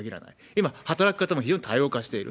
今、働き方も非常に多様化している。